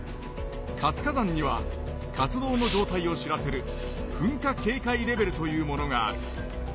活火山には活動のじょうたいを知らせる「噴火警戒レベル」というものがある。